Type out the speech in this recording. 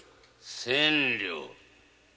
千両。